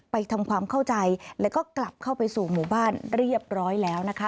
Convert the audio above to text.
ทำความเข้าใจแล้วก็กลับเข้าไปสู่หมู่บ้านเรียบร้อยแล้วนะคะ